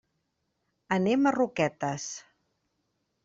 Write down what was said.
Anem a Roquetes.